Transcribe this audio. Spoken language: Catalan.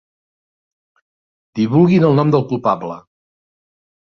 Divulguin el nom del culpable.